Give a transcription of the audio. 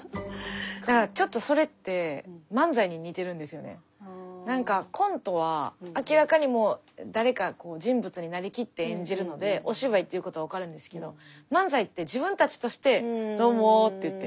だからちょっとそれってコントは明らかにもう誰か人物になりきって演じるのでお芝居ということは分かるんですけど漫才って自分たちとしてどうもって言って。